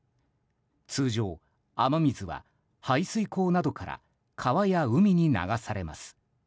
通常、雨水は排水溝などから川や海に流されます。